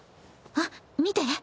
あっ見て。